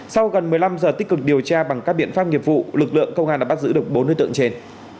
sau gần một mươi năm giờ tích cực điều tra bằng các biện pháp nghiệp vụ lực lượng công an đã bắt giữ được bốn đối tượng trên